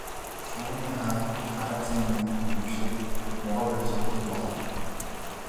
Шувууны хаан хараацайн үгийг үнэмшээд могой барьж иддэг болов гэнэ.